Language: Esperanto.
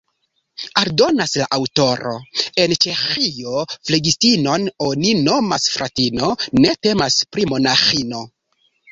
Aldonas la aŭtoro: En Ĉeĥio flegistinon oni nomas fratino: ne temas pri monaĥino.